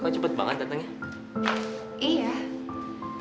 kok cepat banget datangnya